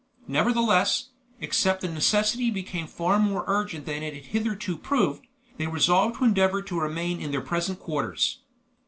Nevertheless, except the necessity became far more urgent than it had hitherto proved, they resolved to endeavor to remain in their present quarters.